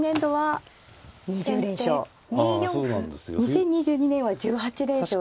２０２２年は１８連勝で。